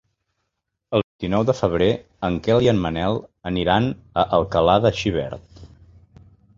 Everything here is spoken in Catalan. El vint-i-nou de febrer en Quel i en Manel aniran a Alcalà de Xivert.